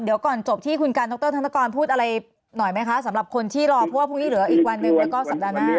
เดี๋ยวก่อนจบที่คุณกันดรธนกรพูดอะไรหน่อยไหมคะสำหรับคนที่รอเพราะว่าพรุ่งนี้เหลืออีกวันหนึ่งแล้วก็สัปดาห์หน้า